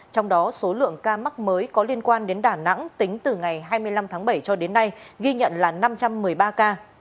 trong đó số lượng ca mắc mới có liên quan đến đà nẵng tính từ ngày hai mươi năm tháng bảy cho đến nay ghi nhận là năm trăm một mươi ba ca